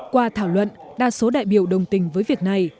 qua thảo luận đa số đại biểu đồng tình với việc này